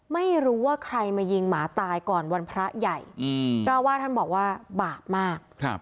ไม่รู้ว่าใครมายิงหมาตายก่อนวันพระใหญ่เจ้าว่าท่านบอกว่าบาปมาก